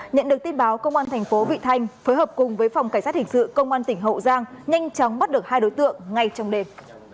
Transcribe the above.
nhận được tin báo công an thành phố vị thanh phối hợp cùng với phòng cảnh sát hình sự công an tỉnh hậu giang nhanh chóng bắt được hai đối tượng ngay trong đêm